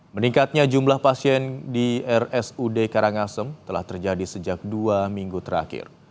meningkatnya jumlah pasien di rsud karangasem telah terjadi sejak dua minggu terakhir